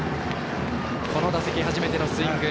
この打席、初めてのスイング。